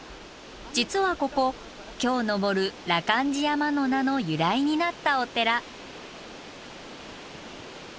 実はここ今日登る羅漢寺山の名の由来になったお寺。